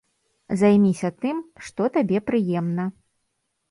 Займіся тым, што табе прыемна.